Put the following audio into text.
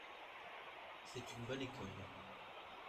C’est une bonne école.